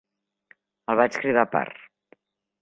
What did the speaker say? El vaig cridar a part.